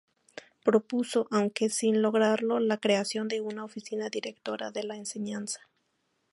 Propuso, aunque sin lograrlo, la creación de una oficina directora de la enseñanza.